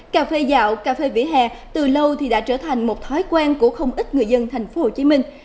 cà phê dạo cà phê vỉa hè từ lâu đã trở thành một thói quen của không ít người dân thành phố hồ chí minh